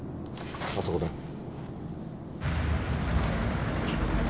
あそこだ。